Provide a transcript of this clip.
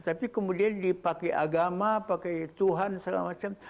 tapi kemudian dipakai agama pakai tuhan segala macam